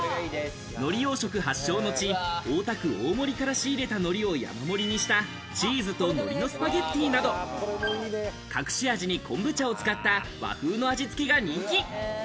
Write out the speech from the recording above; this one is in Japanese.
海苔養殖発祥の地、大田区大森から仕入れたノリを山盛りにしたチーズと海苔のスパゲッティなど、隠し味に昆布茶を使った和風の味付けが人気。